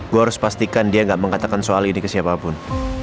gue harus pastikan dia nggak mengatakan soal ini ke siapapun